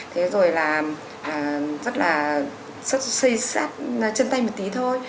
thế rồi là rất là xây sát chân tay một tí thôi